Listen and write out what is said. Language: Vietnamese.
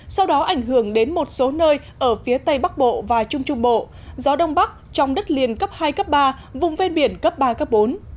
sau đó ảnh hưởng đến một số nơi ở phía tây bắc bộ và trung trung bộ gió đông bắc trong đất liền cấp hai cấp ba vùng ven biển cấp ba cấp bốn